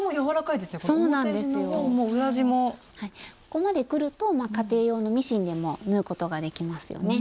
ここまでくると家庭用のミシンでも縫うことができますよね。